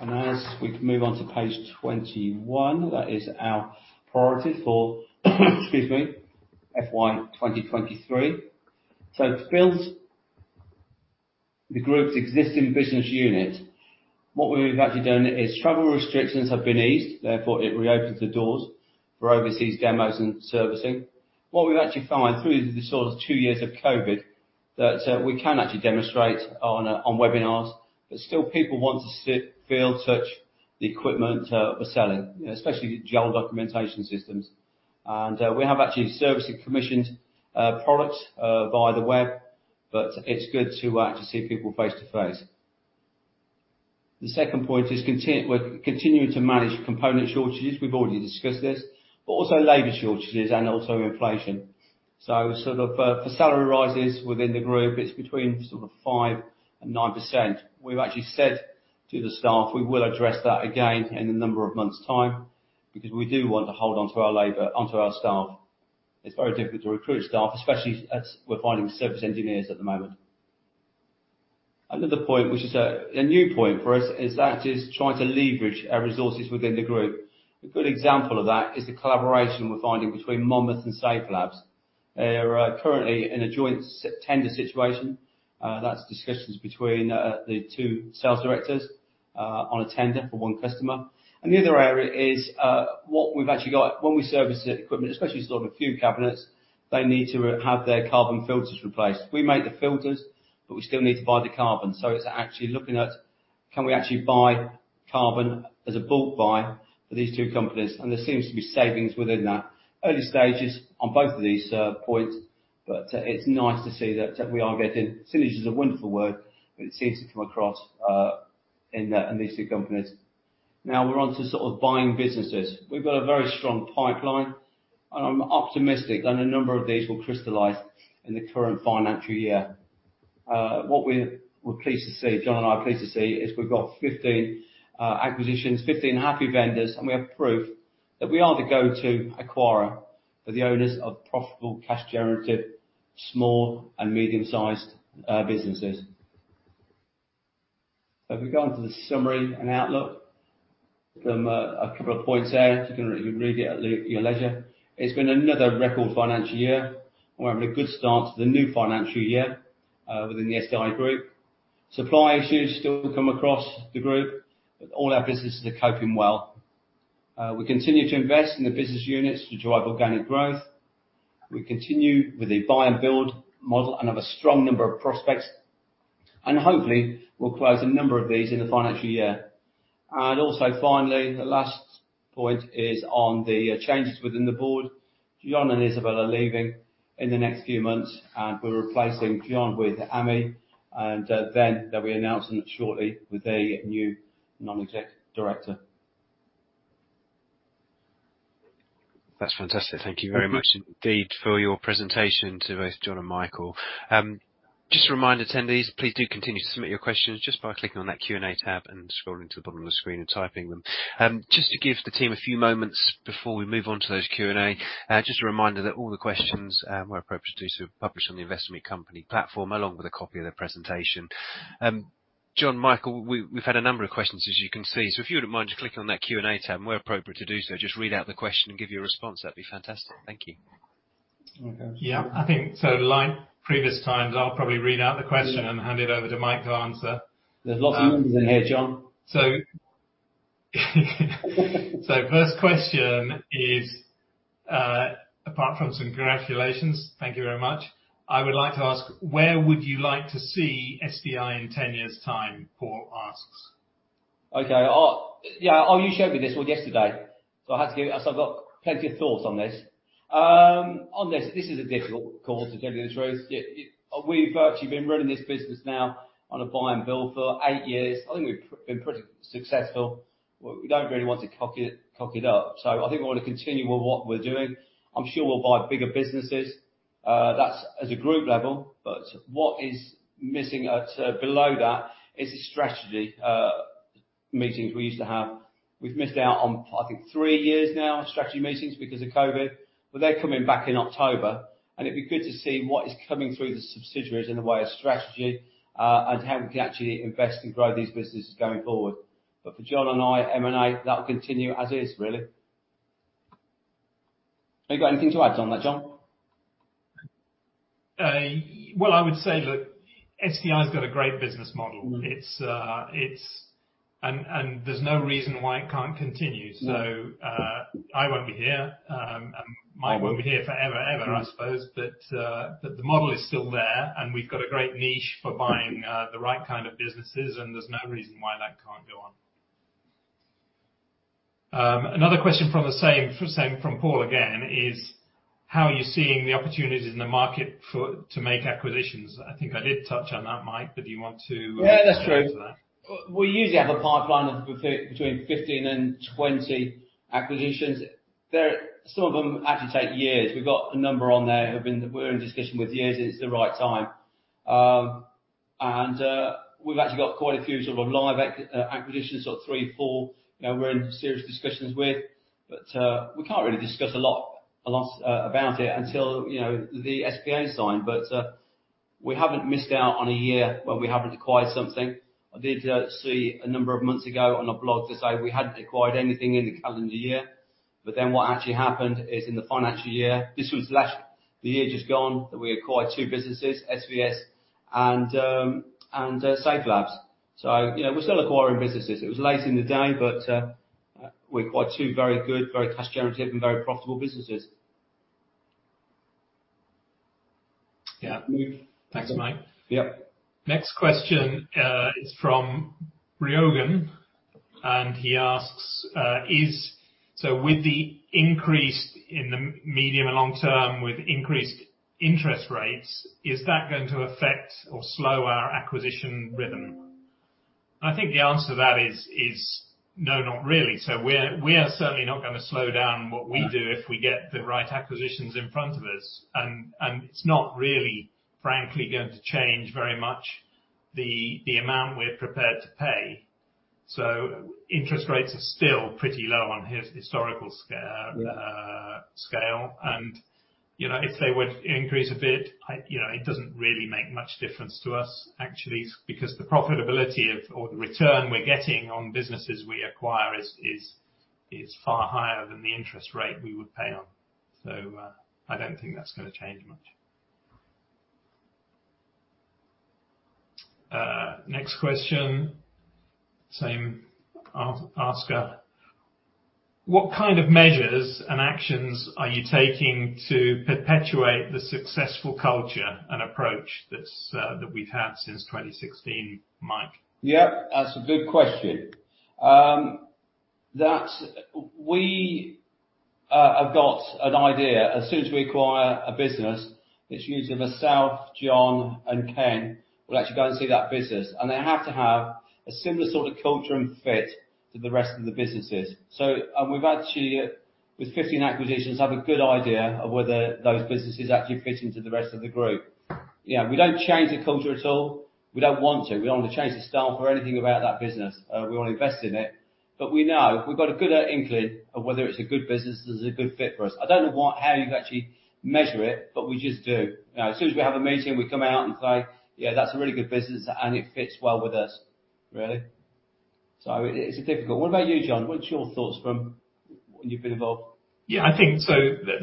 As we move on to page 21, that is our priority for FY 2023. To build the group's existing business unit, what we've actually done is travel restrictions have been eased, therefore it reopens the doors for overseas demos and servicing. What we've actually found through the sort of two years of COVID, we can actually demonstrate on webinars, but still people want to sit, feel, touch the equipment we're selling, especially gel documentation systems. We have actually serviced and commissioned products via the web, but it's good to see people face to face. The second point is we're continuing to manage component shortages, we've already discussed this, but also labor shortages and also inflation. Sort of, for salary rises within the group, it's between sort of 5%-9%. We've actually said to the staff, we will address that again in a number of months' time because we do want to hold on to our labor, onto our staff. It's very difficult to recruit staff, especially as we're finding service engineers at the moment. Another point, which is a new point for us, is trying to leverage our resources within the group. A good example of that is the collaboration we're finding between Monmouth and Safelab. They're currently in a joint tender situation that is discussions between the two sales directors on a tender for one customer. The other area is what we've actually got. When we service equipment, especially for fume cabinets, they need to have their carbon filters replaced. We make the filters, but we still need to buy the carbon. It's actually looking at, can we actually buy carbon as a bulk buy for these two companies? There seems to be savings within that. Early stages on both of these points, but it's nice to see that we are getting. Synergy is a wonderful word, but it seems to come across in these two companies. Now we're on to sort of buying businesses. We've got a very strong pipeline, and I'm optimistic that a number of these will crystallize in the current financial year. What we're pleased to see, Jon and I are pleased to see, is we've got 15 acquisitions, 15 happy vendors, and we have proof that we are the go-to acquirer for the owners of profitable, cash generative, small and medium-sized businesses. If we go on to the summary and outlook, from a couple of points there, you can read it at your leisure. It's been another record financial year. We're having a good start to the new financial year within the SDI Group. Supply issues still come across the group, but all our businesses are coping well. We continue to invest in the business units to drive organic growth. We continue with a buy and build model and have a strong number of prospects, and hopefully, we'll close a number of these in the financial year. Also finally, the last point is on the changes within the board. Jon Abell and Isabel are leaving in the next few months, and we're replacing Jon Abell with Amit, and then there'll be announcement shortly with a new non-exec director. That's fantastic. Thank you very much indeed for your presentation to both Jon and Michael. Just to remind attendees, please do continue to submit your questions just by clicking on that Q&A tab and scrolling to the bottom of the screen and typing them. Just to give the team a few moments before we move on to those Q&A. Just a reminder that all the questions, where appropriate to do so, are published on the investment company platform, along with a copy of the presentation. Jon, Michael, we've had a number of questions as you can see. If you wouldn't mind just clicking on that Q&A tab, and where appropriate to do so, just read out the question and give your response. That'd be fantastic. Thank you. Okay. Yeah. I think so like previous times, I'll probably read out the question and hand it over to Mike to answer. There's lots of them in here, Jon. First question is, apart from congratulations, thank you very much. "I would like to ask, where would you like to see SDI in ten years' time?" Paul asks. Okay. Yeah. You showed me this one yesterday. I had to give it. I've got plenty of thoughts on this. This is a difficult call, to tell you the truth. We've actually been running this business now on a buy and build for eight years. I think we've been pretty successful. We don't really want to cock it up. I think we want to continue with what we're doing. I'm sure we'll buy bigger businesses, that's as a group level. What is missing below that is the strategy meetings we used to have. We've missed out on, I think, three years now, strategy meetings because of COVID, but they're coming back in October, and it'd be good to see what is coming through the subsidiaries in the way of strategy, and how we can actually invest and grow these businesses going forward. But for Jon and I, M&A, that will continue as is, really. Have you got anything to add on that, Jon? Well, I would say, look, SDI has got a great business model. Mm-hmm. There's no reason why it can't continue. Yeah. I won't be here, and Mike won't be here forever and ever, I suppose, but the model is still there, and we've got a great niche for buying the right kind of businesses, and there's no reason why that can't go on. Another question from the same, from Paul again is: How are you seeing the opportunities in the market for to make acquisitions? I think I did touch on that, Mike, but do you want to. Yeah, that's true. Add to that. We usually have a pipeline of between 15-20 acquisitions. Some of them actually take years. We've got a number on there we're in discussions for years, and it's the right time. We've actually got quite a few sort of live acquisitions, sort of 3, 4, you know, we're in serious discussions with. We can't really discuss a lot about it until, you know, the SPA's signed. We haven't missed out on a year where we haven't acquired something. I did see a number of months ago on a blog that said we hadn't acquired anything in the calendar year. What actually happened is in the financial year, this was last, the year just gone, that we acquired 2 businesses, SVS and Safelab Systems. You know, we're still acquiring businesses. It was late in the day, but, we acquired two very good, very cash generative and very profitable businesses. Yeah. Thanks, Mike. Yep. Next question is from Ryogan, and he asks, "So with the increase in the medium and long term, with increased interest rates, is that going to affect or slow our acquisition rhythm?" I think the answer to that is no, not really. We're certainly not gonna slow down what we do if we get the right acquisitions in front of us. It's not really, frankly, going to change very much the amount we're prepared to pay. Interest rates are still pretty low on historical scale. Yeah Scale. You know, if they would increase a bit, you know, it doesn't really make much difference to us, actually, because the profitability or the return we're getting on businesses we acquire is far higher than the interest rate we would pay on. I don't think that's gonna change much. Next question. Same asker. What kind of measures and actions are you taking to perpetuate the successful culture and approach that we've had since 2016, Mike? Yeah, that's a good question. That we have got an idea as soon as we acquire a business, it's usually myself, Jon, and Ken will actually go and see that business, and they have to have a similar sort of culture and fit to the rest of the businesses. We've actually, with 15 acquisitions, have a good idea of whether those businesses actually fit into the rest of the group. You know, we don't change the culture at all. We don't want to. We don't want to change the style for anything about that business. We wanna invest in it. We know, we've got a good inkling of whether it's a good business, this is a good fit for us. I don't know what how you actually measure it, but we just do. You know, as soon as we have a meeting, we come out and say, "Yeah, that's a really good business, and it fits well with us," really. It's difficult. What about you, Jon? What's your thoughts from when you've been involved? Yeah, I think so.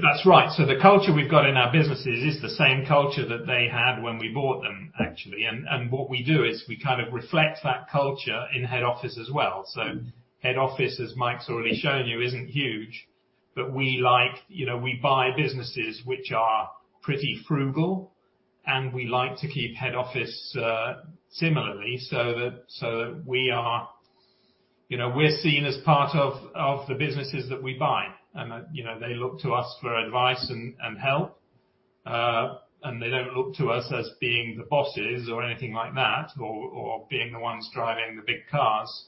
That's right. The culture we've got in our businesses is the same culture that they had when we bought them, actually. What we do is we kind of reflect that culture in head office as well. Mm-hmm. Head office, as Mike's already shown you, isn't huge. We like, you know, we buy businesses which are pretty frugal, and we like to keep head office similarly, so that we are, you know, we're seen as part of the businesses that we buy. That, you know, they look to us for advice and help, and they don't look to us as being the bosses or anything like that or being the ones driving the big cars.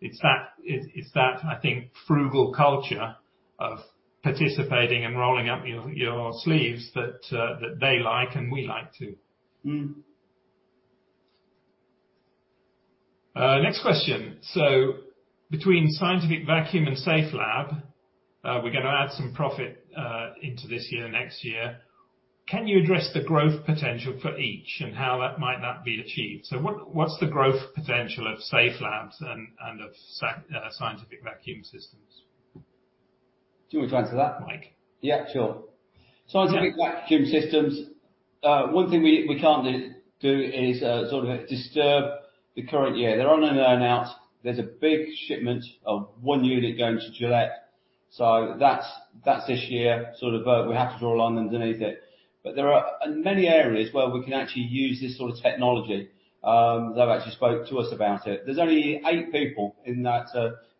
It's that, I think, frugal culture of participating and rolling up your sleeves that they like and we like too. Mm-hmm. Next question. Between Scientific Vacuum and Safelab, we're gonna add some profit into this year, next year. Can you address the growth potential for each and how that might not be achieved? What's the growth potential of Safelab and of Scientific Vacuum Systems? Do you want me to answer that, Mike? Yeah, sure. Scientific Vacuum Systems, one thing we can't do is sort of disturb the current year. There are no earn-outs. There's a big shipment of one unit going to Gillette. That's this year, sort of, we have to draw a line underneath it. There are many areas where we can actually use this sort of technology, they've actually spoke to us about it. There's only eight people in that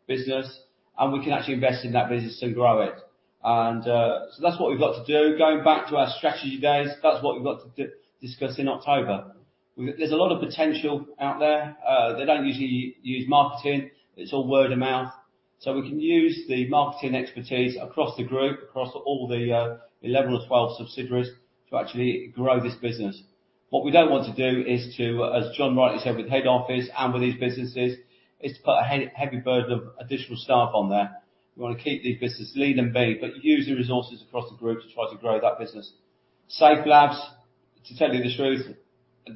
business, and we can actually invest in that business and grow it. That's what we've got to do. Going back to our strategy days, that's what we've got to discuss in October. There's a lot of potential out there. They don't usually use marketing. It's all word of mouth. We can use the marketing expertise across the group, across all the 11 or 12 subsidiaries to actually grow this business. What we don't want to do is to, as Jon rightly said with head office and with these businesses, is to put a heavy burden of additional staff on there. We wanna keep these businesses lean and mean, but use the resources across the group to try to grow that business. Safelab. To tell you the truth,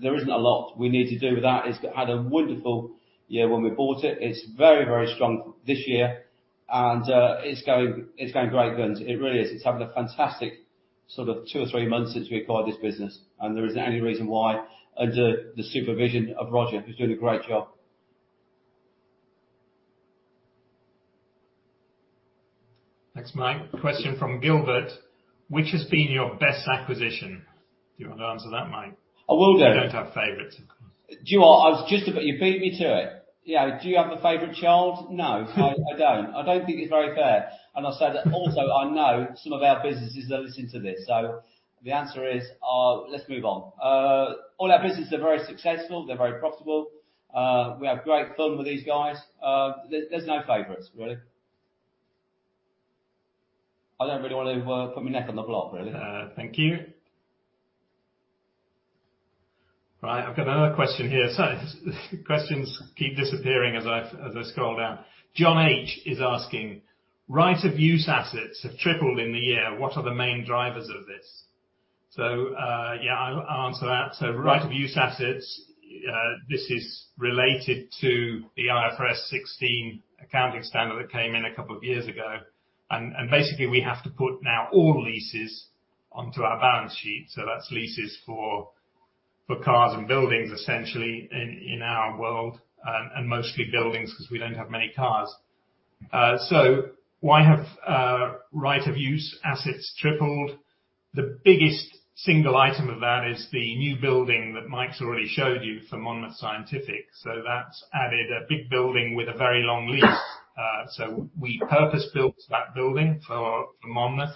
there isn't a lot we need to do with that. It's had a wonderful year when we bought it. It's very, very strong this year, and it's going great guns. It really is. It's having a fantastic sort of two or three months since we acquired this business, and there isn't any reason why under the supervision of Roger, who's doing a great job. Thanks, Mike. Question from Gilbert: Which has been your best acquisition? Do you wanna answer that, Mike? I will do. You don't have favorites, of course. Do you know what? You beat me to it. Yeah. Do you have a favorite child? No, I don't. I don't think it's very fair. I'll say that also I know some of our businesses that listen to this, so the answer is, let's move on. All our businesses are very successful. They're very profitable. We have great fun with these guys. There's no favorites, really. I don't really wanna put my neck on the block, really. Thank you. Right. I've got another question here. Questions keep disappearing as I scroll down. Jon H. is asking: Right of use assets have tripled in the year. What are the main drivers of this? Yeah, I'll answer that. Right of use assets, this is related to the IFRS 16 accounting standard that came in a couple of years ago. Basically we have to put now all leases onto our balance sheet, so that's leases for cars and buildings essentially in our world, and mostly buildings 'cause we don't have many cars. Why have right of use assets tripled? The biggest single item of that is the new building that Mike's already showed you for Monmouth Scientific. That's added a big building with a very long lease. We purpose-built that building for Monmouth.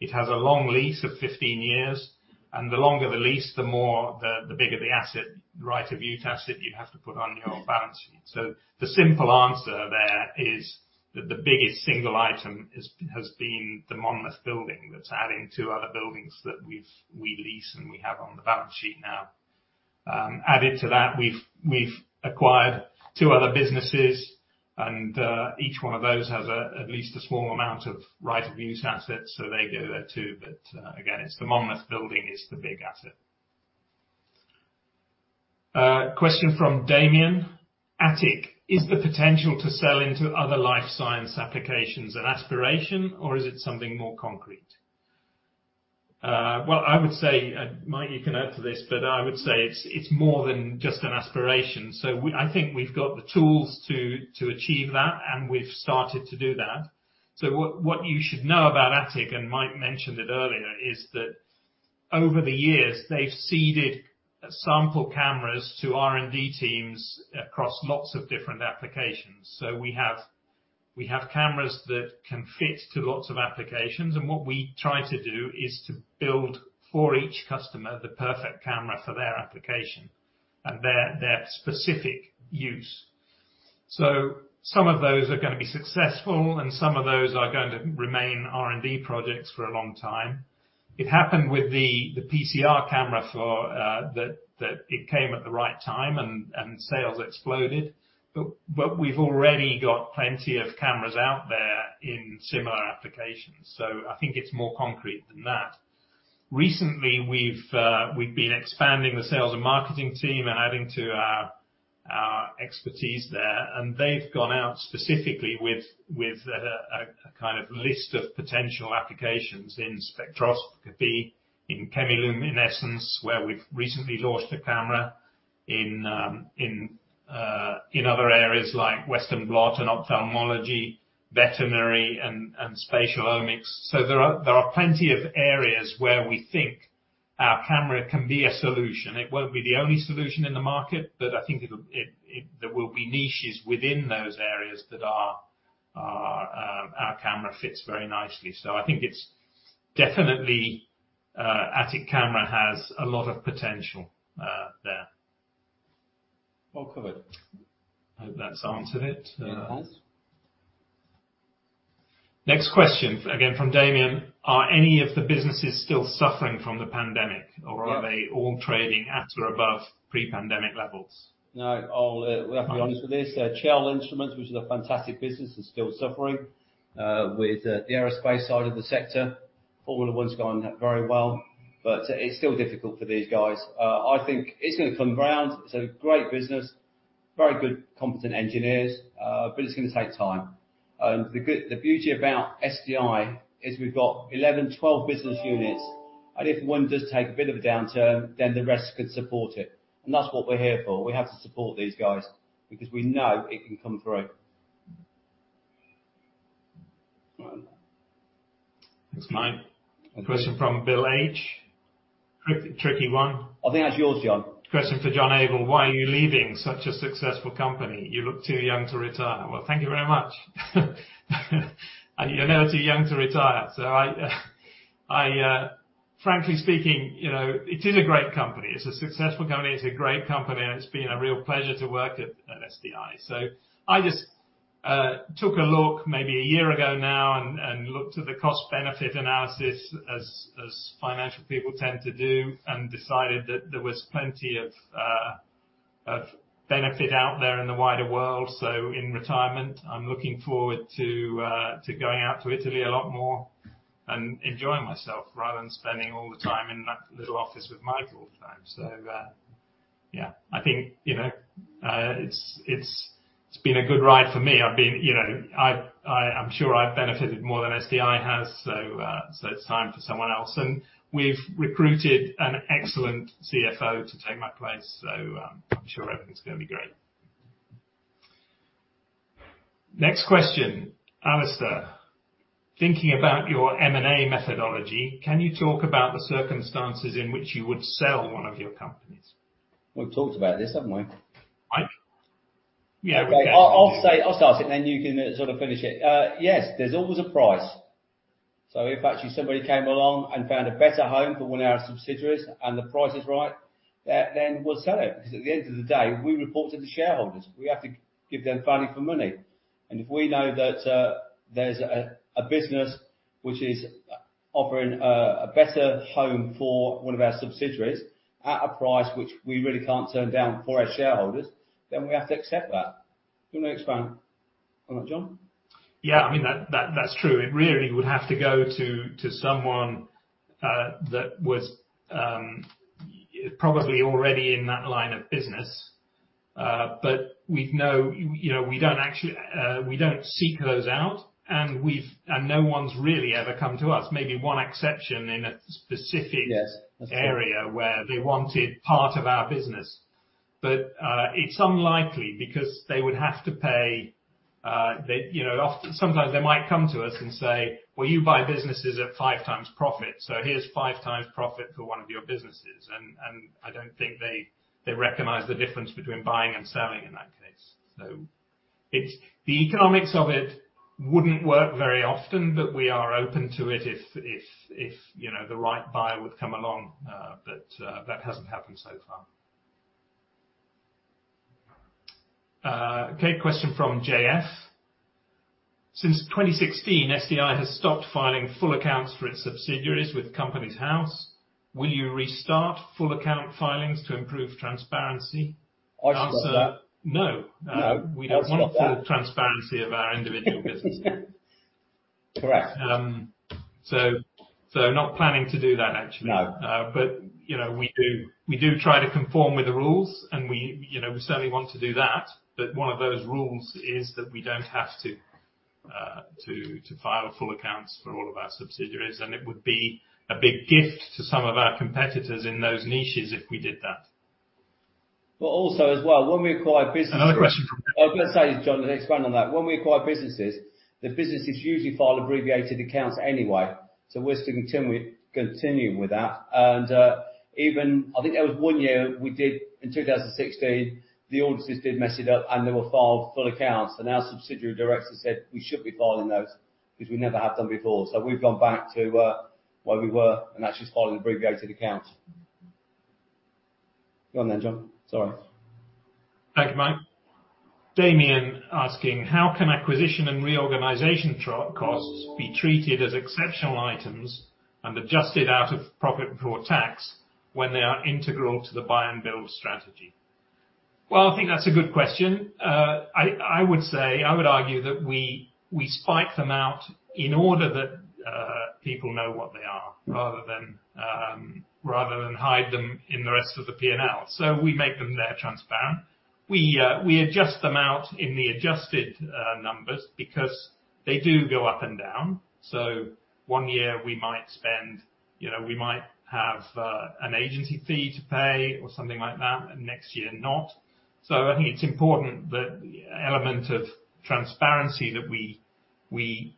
It has a long lease of 15 years, and the longer the lease, the bigger the right of use asset you have to put on your own balance sheet. The simple answer there is that the biggest single item has been the Monmouth building that's adding two other buildings that we lease and we have on the balance sheet now. Added to that, we've acquired two other businesses and each one of those has at least a small amount of right of use assets, so they go there too. Again, it's the Monmouth building is the big asset. Question from Damian. Atik, is the potential to sell into other life science applications an aspiration, or is it something more concrete? Well, I would say, Mike, you can add to this, but I would say it's more than just an aspiration. I think we've got the tools to achieve that, and we've started to do that. What you should know about Atik, and Mike mentioned it earlier, is that over the years they've seeded sample cameras to R&D teams across lots of different applications. We have cameras that can fit to lots of applications, and what we try to do is to build for each customer the perfect camera for their application and their specific use. Some of those are gonna be successful and some of those are going to remain R&D projects for a long time. It happened with the PCR camera for that it came at the right time and sales exploded. We've already got plenty of cameras out there in similar applications, so I think it's more concrete than that. Recently, we've been expanding the sales and marketing team and adding to our expertise there, and they've gone out specifically with a kind of list of potential applications in spectroscopy, in chemiluminescence, where we've recently launched a camera in other areas like Western blot and ophthalmology, veterinary and spatial omics. There are plenty of areas where we think our camera can be a solution. It won't be the only solution in the market, but I think it'll there will be niches within those areas that our camera fits very nicely. I think it's definitely Atik Camera has a lot of potential there. Well covered. Hope that's answered it. Yeah, thanks. Next question, again from Damian: Are any of the businesses still suffering from the pandemic? Yeah Are they all trading at or above pre-pandemic levels? No, I'll, we have to be honest with this. Chell Instruments, which is a fantastic business, is still suffering with the aerospace side of the sector. Formula One's going very well, but it's still difficult for these guys. I think it's gonna come round. It's a great business, very good competent engineers, but it's gonna take time. The beauty about SDI is we've got 11, 12 business units, and if one does take a bit of a downturn, then the rest could support it. That's what we're here for. We have to support these guys because we know it can come through. Well. Thanks, Mike. Question from Bill H. Tricky, tricky one. I think that's yours, Jon. Question for Jon Abell: Why are you leaving such a successful company? You look too young to retire. Well, thank you very much. You're never too young to retire. Frankly speaking, you know, it is a great company. It's a successful company. It's a great company and it's been a real pleasure to work at SDI. I just took a look maybe a year ago now and looked at the cost-benefit analysis as financial people tend to do, and decided that there was plenty of benefit out there in the wider world. In retirement, I'm looking forward to going out to Italy a lot more and enjoying myself rather than spending all the time in that little office with Michael all the time. Yeah, I think, you know, it's been a good ride for me. I've been, you know, I'm sure I've benefited more than SDI has. It's time for someone else. We've recruited an excellent CFO to take my place. I'm sure everything's gonna be great. Next question. Alistair: Thinking about your M&A methodology, can you talk about the circumstances in which you would sell one of your companies? We've talked about this, haven't we? I think. Yeah. Okay. I'll start it, then you can sort of finish it. Yes. There's always a price. If actually somebody came along and found a better home for one of our subsidiaries, and the price is right, then we'll sell it. Because at the end of the day, we report to the shareholders. We have to give them value for money. If we know that there's a business which is offering a better home for one of our subsidiaries at a price which we really can't turn down for our shareholders, then we have to accept that. Do you wanna expand on that, Jon? Yeah. I mean, that's true. It really would have to go to someone that was probably already in that line of business. We'd know, you know, we don't actually seek those out. No one's really ever come to us. Maybe one exception in a specific. Yes. An area where they wanted part of our business. It's unlikely because they would have to pay, you know, often, sometimes they might come to us and say, "Well, you buy businesses at 5x profit, so here's 5x profit for one of your businesses." I don't think they recognize the difference between buying and selling in that case. It's the economics of it wouldn't work very often, but we are open to it if you know the right buyer would come along. That hasn't happened so far. Okay. Question from JF: Since 2016, SDI has stopped filing full accounts for its subsidiaries with Companies House. Will you restart full account filings to improve transparency? I'll start that. Answer: No. No. We don't want. I'll stop that. the transparency of our individual businesses. Correct. Not planning to do that actually. No. you know, we do try to conform with the rules, and we, you know, we certainly want to do that. One of those rules is that we don't have to file full accounts for all of our subsidiaries, and it would be a big gift to some of our competitors in those niches if we did that. Also as well, when we acquire business. Another question from. I was gonna say, Jon, expand on that. When we acquire businesses, the businesses usually file abbreviated accounts anyway. We're still continuing with that. Even, I think there was one year we did in 2016, the auditors did mess it up, and they were filed full accounts. Our subsidiary director said we shouldn't be filing those because we never have done before. We've gone back to where we were and actually filing abbreviated accounts. Go on then, Jon. Sorry. Thank you, Mike. Damian asking: How can acquisition and reorganization costs be treated as exceptional items and adjusted out of profit before tax when they are integral to the buy and build strategy? I think that's a good question. I would say, I would argue that we spike them out in order that people know what they are, rather than hide them in the rest of the P&L. So we make them very transparent. We adjust them out in the adjusted numbers because they do go up and down. So one year we might spend, you know, we might have an agency fee to pay or something like that, and next year not. So I think it's important that element of transparency that we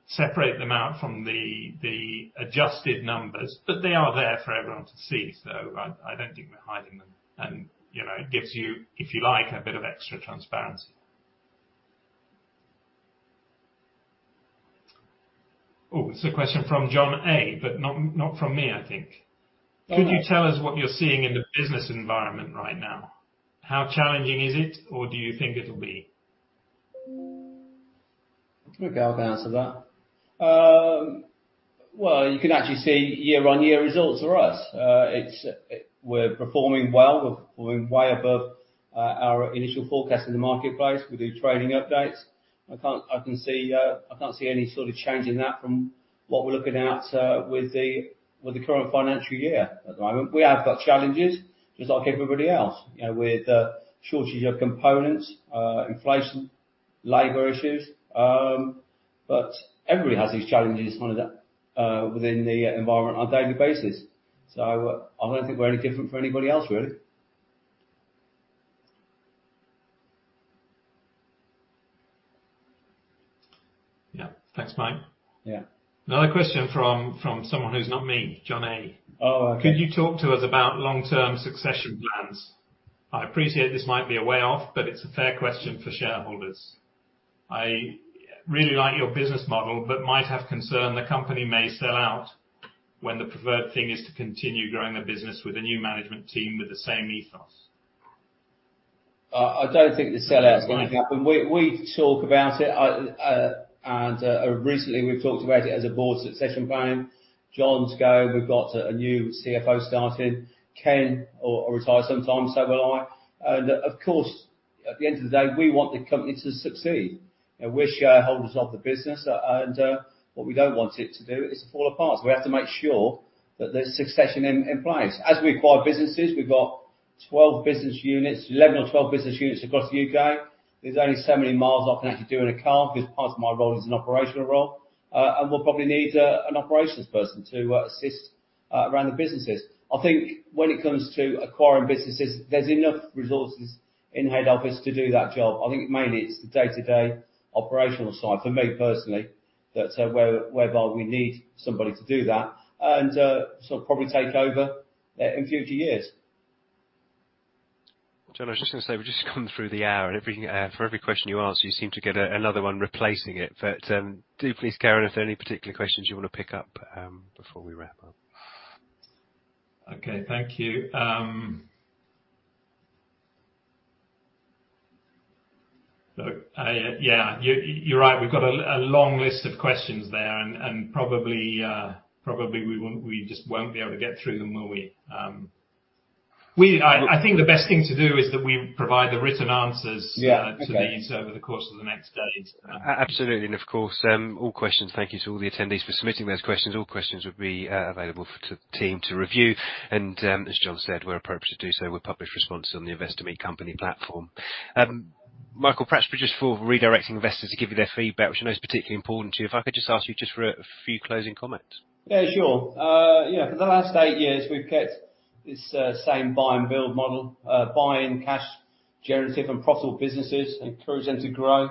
separate them out from the adjusted numbers. They are there for everyone to see, so I don't think we're hiding them. You know, it gives you, if you like, a bit of extra transparency. Oh, this is a question from Jon A, but not from me, I think. Yeah. Could you tell us what you're seeing in the business environment right now? How challenging is it or do you think it'll be? Okay. I'll answer that. Well, you can actually see year-on-year results for us. We're performing well. We're performing way above our initial forecast in the marketplace. We do trading updates. I can't see any sort of change in that from what we're looking at with the current financial year at the moment. We have got challenges, just like everybody else, you know, with shortage of components, inflation, labor issues. But everybody has these challenges, kind of, within the environment on a daily basis. I don't think we're any different from anybody else, really. Yeah. Thanks, Mike. Yeah. Another question from someone who's not me, Jon A. Oh, okay. Could you talk to us about long-term succession plans? I appreciate this might be a way off, but it's a fair question for shareholders. I really like your business model but might have concern the company may sell out when the preferred thing is to continue growing the business with a new management team with the same ethos. I don't think the sell-out is gonna happen. We talk about it. Recently we've talked about it as a board succession plan. Jon's going. We've got a new CFO starting. Ken will retire sometime, so will I. At the end of the day, we want the company to succeed. We're shareholders of the business and what we don't want it to do is to fall apart. We have to make sure that there's succession in place. As we acquire businesses, we've got 12 business units, 11 or 12 business units across the UK. There's only so many miles I can actually do in a car because part of my role is an operational role. We'll probably need an operations person to assist around the businesses. I think when it comes to acquiring businesses, there's enough resources in head office to do that job. I think mainly it's the day-to-day operational side for me personally, that whereby we need somebody to do that and, sort of probably take over, in future years. Jon, I was just gonna say, we've just gone through the hour, and every, for every question you ask, you seem to get another one replacing it. But, do please, Karen, if there are any particular questions you wanna pick up, before we wrap up. Okay, thank you. Look, yeah, you're right. We've got a long list of questions there and probably we just won't be able to get through them, will we? I think the best thing to do is that we provide the written answers. Yeah. Okay. to these over the course of the next days. Absolutely. Of course, thank you to all the attendees for submitting those questions. All questions will be available for the team to review and, as Jon said, where appropriate to do so, we'll publish responses on the Investor Meet Company platform. Michael, perhaps just for redirecting investors to give you their feedback, which I know is particularly important to you. If I could just ask you just for a few closing comments. Yeah, sure. Yeah, for the last eight years, we've kept this same buy and build model, buying cash generative and profitable businesses, encourage them to grow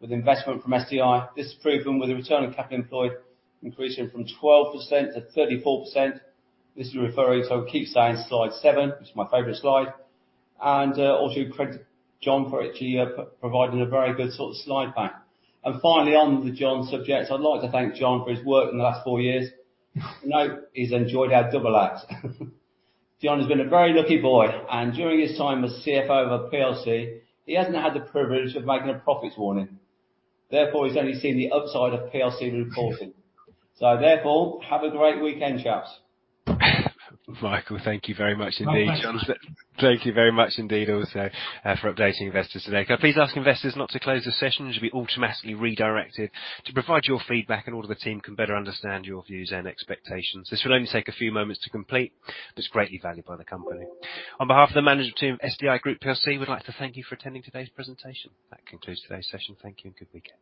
with investment from SDI. This has proven with the return on capital employed increasing from 12% to 34%. This is referring to, I keep saying slide seven, which is my favorite slide. Also credit Jon for actually providing a very good sort of slide pack. Finally, on the Jon subject, I'd like to thank Jon for his work in the last four years. Note he's enjoyed our double acts. Jon has been a very lucky boy, and during his time as CFO of a PLC, he hasn't had the privilege of making a profits warning. Therefore, he's only seen the upside of PLC reporting. Therefore, have a great weekend, chaps. Mike, thank you very much indeed. No problem. Jon, thank you very much indeed also for updating investors today. Can I please ask investors not to close this session? You should be automatically redirected to provide your feedback and all of the team can better understand your views and expectations. This will only take a few moments to complete, but it's greatly valued by the company. On behalf of the management team of SDI Group plc, we'd like to thank you for attending today's presentation. That concludes today's session. Thank you and good weekend.